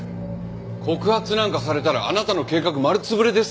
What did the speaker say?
告発なんかされたらあなたの計画丸潰れですよ。